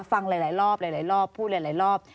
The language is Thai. ฟังหลายรอบหลายรอบพูดหลายรอบ